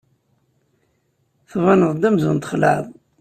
Tbaneḍ-d amzun txelɛeḍ.